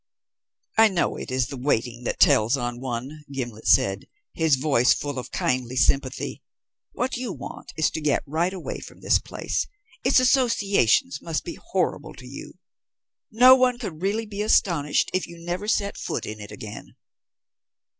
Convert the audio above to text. "I know it is the waiting that tells on one," Gimblet said, his voice full of kindly sympathy. "What you want is to get right away from this place. Its associations must be horrible to you. No one could really be astonished if you never set foot in it again."